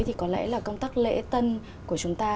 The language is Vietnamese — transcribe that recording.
thì có lẽ là công tác lễ tân của chúng ta